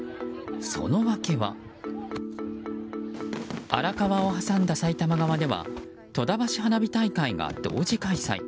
その訳は荒川を挟んだ埼玉側では戸田橋花火大会が同時開催。